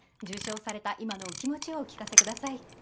受賞された今のお気持ちをお聞かせください。